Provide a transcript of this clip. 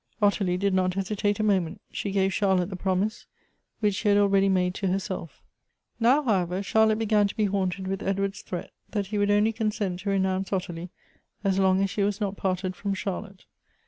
" Ottilie did not hesitate a moment ; she gave Charlotte the promise, which she had already made to herself 'Now, however, Charlotte began to be haunted with Edward's threat, that he would only consent to renounce Ottilie, as long as she was not parted from Charlotte.